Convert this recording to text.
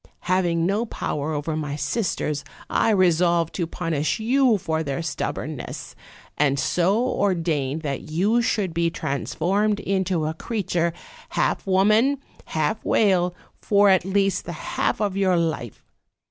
Having no power over my sisters; I resolved to punish you for their stubbornness, and so ordained that you should be transformed into a creature, half woman, half whale, for at least the half of your life.